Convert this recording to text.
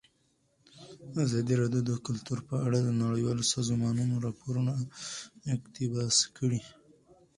ازادي راډیو د کلتور په اړه د نړیوالو سازمانونو راپورونه اقتباس کړي.